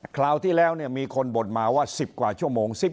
คราวที่แล้วมีคนบ่นมาว่า๑๐กว่าชั่วโมง